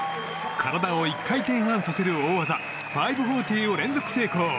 体を１回転半させる大技５４０を連続成功。